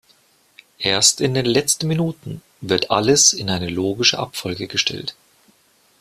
Erst in den letzten Minuten wird alles in eine logische Abfolge gestellt.